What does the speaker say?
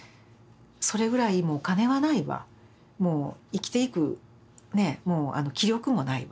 それぐらいもうお金はないわもう生きていく気力もないわ